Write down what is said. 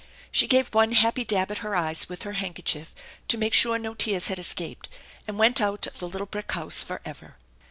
She gave one happy dab at her eyes with her handkerchief to make sure no tears had escaped, and went out of the little brick house forever.